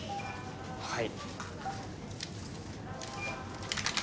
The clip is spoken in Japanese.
はい。